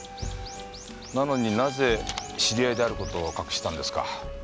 なのになぜ知り合いであることを隠したんですか？